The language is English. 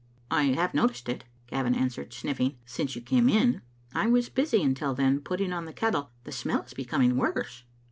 "I have noticed it," Gavin answered, sniffing, "since you came in. I was busy until then, putting on the kettle. The smell is becoming worse."